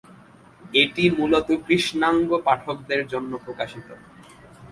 এটি মূলত কৃষ্ণাঙ্গ পাঠকদের জন্য প্রকাশিত।